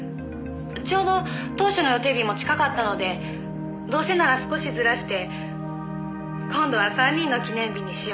「ちょうど当初の予定日も近かったのでどうせなら少しずらして今度は３人の記念日にしようかなと」